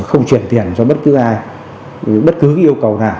không chuyển tiền cho bất cứ ai bất cứ yêu cầu nào